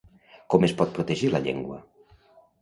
Com es pot protegir la llengua?